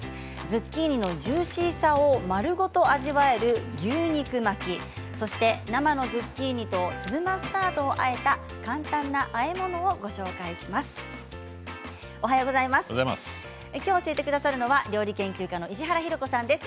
ズッキーニのジューシーさを丸ごと味わえる牛肉巻きそして生のズッキーニと粒マスタードをあえた簡単なあえ物をご紹介します。